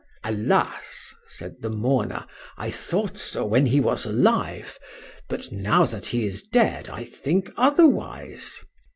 —Alas! said the mourner, I thought so when he was alive;—but now that he is dead, I think otherwise.